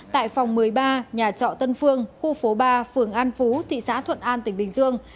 tại phòng một mươi ba nhà trọ tân phương khu phố ba phường an phú thị xã thuận an tỉnh bình dương